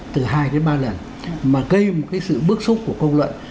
từ hai đến ba lần mà gây một cái sự bức xúc của công luận